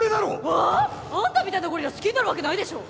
はあ？あんたみたいなゴリラ好きになるわけないでしょ！